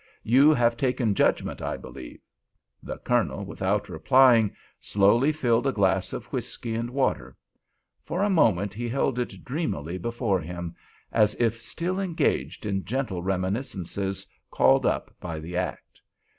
You have taken judgment, I believe." The Colonel, without replying, slowly filled a glass of whiskey and water. For a moment he held it dreamily before him, as if still engaged in gentle reminiscences called up by the act.